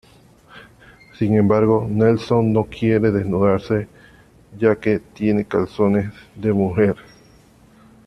Sin embargo, Nelson no quiere desnudarse, ya que tiene calzones de mujer.